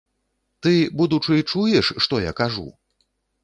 Ты, будучы, чуеш, што я кажу?